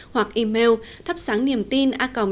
hoặc email thapsangniemtina org vn